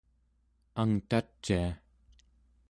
angtacia